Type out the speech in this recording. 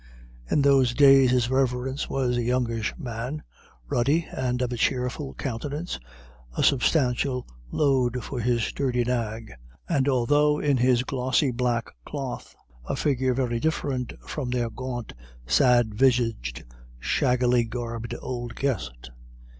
In those days his Reverence was a youngish man, ruddy, and of a cheerful countenance, a substantial load for his sturdy nag, and altogether, in his glossy black cloth, a figure very different from their gaunt, sad visaged, shaggily garbed old guest.